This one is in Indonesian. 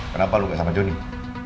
kenapa lu gak sama johnny